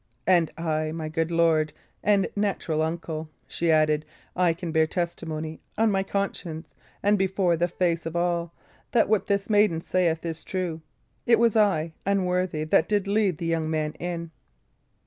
"And I, my good lord and natural uncle," she added, "I can bear testimony, on my conscience and before the face of all, that what this maiden saith is true. It was I, unworthy, that did lead the young man in."